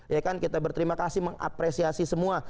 ya kan kita berterima kasih mengapresiasi semua